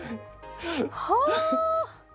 はあ！